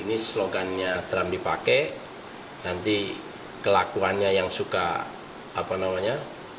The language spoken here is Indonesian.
ini slogannya trump dipakai nanti kelakuannya yang suka apa namanya